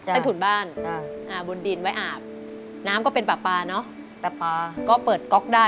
ใต้ถุนบ้านอ่าบนดินไว้อาบน้ำก็เป็นปากปาเนอะปากปาก็เปิดก๊อกได้